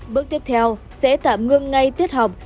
bước tiếp theo sẽ tạm ngưng ngay tiết học